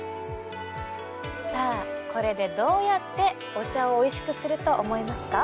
さあ、これでどうやってお茶をおいしくすると思いますか？